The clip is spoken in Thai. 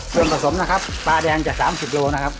เวลาผสมนะครับปลาแดงจะ๓๐กิโลนะครับ